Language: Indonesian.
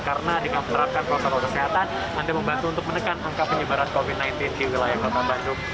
karena dengan menerapkan protokol kesehatan anda membantu untuk menekan angka penyebaran covid sembilan belas di wilayah kota bandung